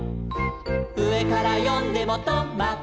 「うえからよんでもト・マ・ト」